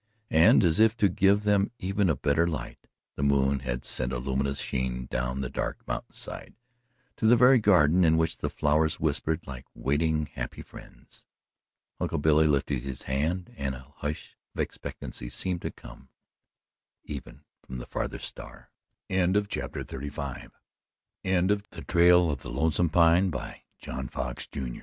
And as if to give them even a better light, the moon had sent a luminous sheen down the dark mountainside to the very garden in which the flowers whispered like waiting happy friends. Uncle Billy lifted his hand and a hush of expectancy seemed to come even from the farthest star. End of Project Gutenberg's The Trail of the Lonesome Pine, by John Fox, Jr. EN